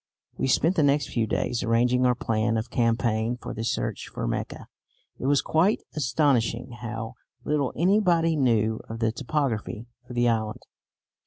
We spent the next few days arranging our plan of campaign for the search for Mecca. It was quite astonishing how little anybody knew of the topography of the island.